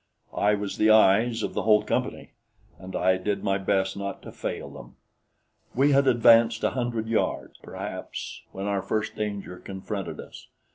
I was the eyes of the whole company, and I did my best not to fail them. We had advanced a hundred yards, perhaps, when our first danger confronted us.